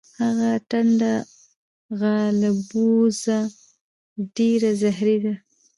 هغه ټنډه غالبوزه ډیره زهری ده.